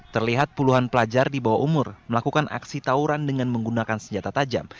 terlihat puluhan pelajar di bawah umur melakukan aksi tawuran dengan menggunakan senjata tajam